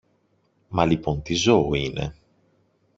Μα λοιπόν τι ζώο είναι;